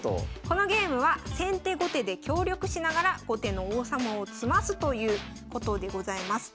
このゲームは先手後手で協力しながら後手の王様を詰ますということでございます。